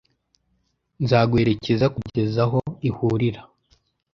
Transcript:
Nzaguherekeza kugeza aho ihurira.